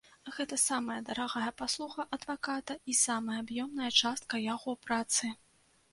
Гэта самая дарагая паслуга адваката і самая аб'ёмная частка яго працы.